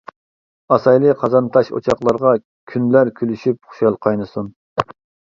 ئاسايلى قازان تاش ئوچاقلارغا كۈنلەر كۈلۈشۈپ خۇشال قاينىسۇن.